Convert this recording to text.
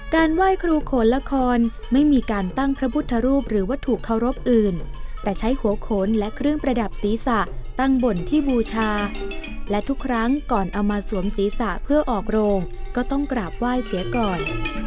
ไหว้ครูโขนละครไม่มีการตั้งพระพุทธรูปหรือวัตถุเคารพอื่นแต่ใช้หัวโขนและเครื่องประดับศีรษะตั้งบนที่บูชาและทุกครั้งก่อนเอามาสวมศีรษะเพื่อออกโรงก็ต้องกราบไหว้เสียก่อน